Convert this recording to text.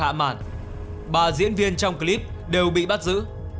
hạ mản bà diễn viên trong clip đều bị bắt giữ